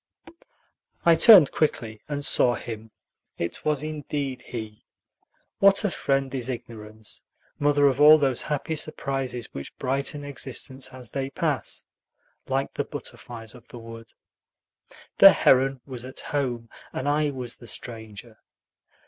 I turned quickly and saw him. It was indeed he. What a friend is ignorance, mother of all those happy surprises which brighten existence as they pass, like the butterflies of the wood. The heron was at home, and I was the stranger.